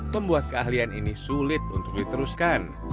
membuat keahlian ini sulit untuk diteruskan